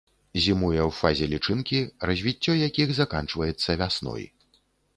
Зімуе ў фазе лічынкі, развіццё якіх заканчваецца вясной.